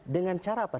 dengan cara apa